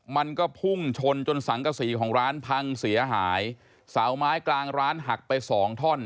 มันก็พุ่งชนจนสังกษีของร้านพังเสียหายเสาไม้กลางร้านหักไปสองท่อน